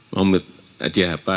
mau minta hadiah apa